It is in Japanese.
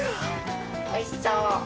おいしそう。